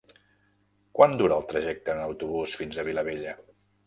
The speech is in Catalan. Quant dura el trajecte en autobús fins a Vilabella?